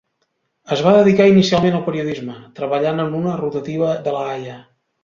Es va dedicar inicialment al periodisme, treballant en una rotativa de La Haia.